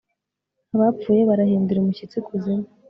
abapfuye barahindira umushyitsi ikuzimu